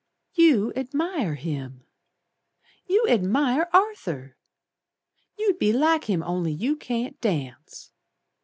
"You admire him! You admire Arthur! You'd be like him only you can't dance.